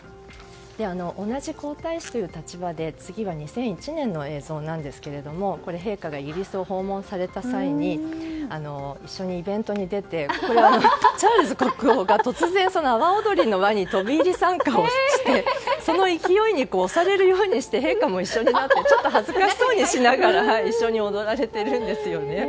同じ皇太子という立場で次は２００１年の映像なんですけれどもこれは陛下がイギリスを訪問された際に一緒にイベントに出てチャールズ国王が突然、阿波踊りの輪に飛び入り参加をしてその勢いに押されるようにして陛下も一緒になってちょっと恥ずかしそうにしながら一緒に踊られているんですよね。